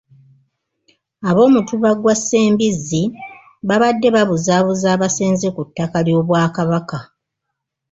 Ab'omutuba gwa Ssembizzi babadde babuzaabuza abasenze ku ttaka ly’Obwakabaka.